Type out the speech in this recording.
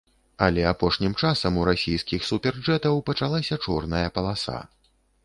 Але апошнім часам у расійскіх суперджэтаў пачалася чорная паласа.